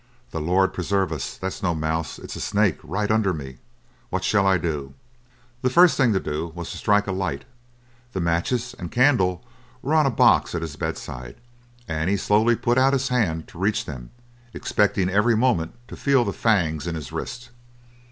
"The Lord preserve us, that's no mouse; it's a snake right under me. What shall I do?" The first thing to do was to strike a light; the matches and candle were on a box at his bedside, and he slowly put out his hand to reach them, expecting every moment to feel the fangs in his wrist.